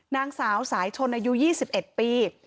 นางสาวสายชนอายุ๒๑ปี